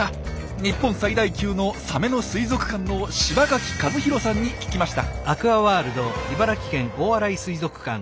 日本最大級のサメの水族館の柴垣和弘さんに聞きました。